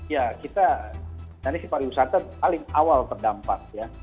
ya kita nanti pariwisata paling awal terdampak ya